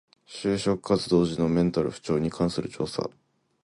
就職活動時のメンタル不調に関する調査